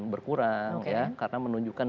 berkurang karena menunjukkan